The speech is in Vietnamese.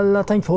là thành phố